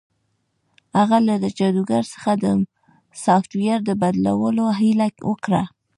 هغه له جادوګر څخه د سافټویر د بدلولو هیله وکړه